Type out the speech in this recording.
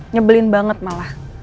nyebelin banget malah